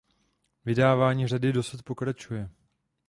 Vydávání řady dosud pokračuje.